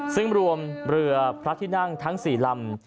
ซึ่งรวมเมลือพระทินั่งทั้งสี่ร่ำ